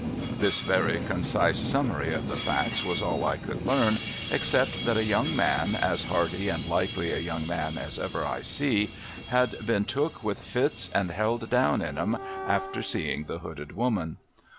This very concise summary of the facts was all I could learn, except that a youn man, as hearty and likely a young man as ever I see, had heen took with fits and held down m em, aiter seein" the hooded woman.